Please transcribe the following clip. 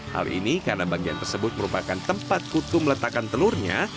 hal ini karena bagian tersebut merupakan tempat kutu meletakkan telurnya